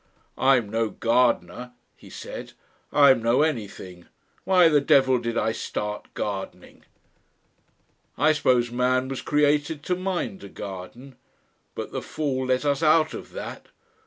"I'm no gardener," he said, "I'm no anything. Why the devil did I start gardening? "I suppose man was created to mind a garden... But the Fall let us out of that!